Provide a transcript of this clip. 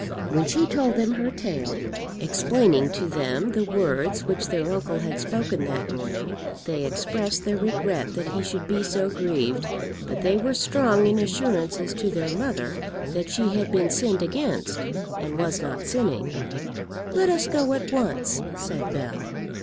When she told them her tale, explaining to them the words which their uncle had spoken that morning, they expressed their regret that he should be so grieved; but they were strong in assurances to their mother that she had been sinned against, and was not sinning. "Let us go at once," said Bell.